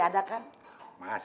nengugal kita ugur